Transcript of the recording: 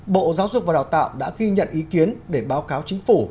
bộ giáo dục và đào tạo đã ghi nhận ý kiến để báo cáo chính phủ